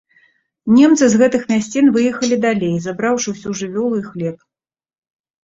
Немцы з гэтых мясцін выехалі далей, забраўшы ўсю жывёлу і хлеб.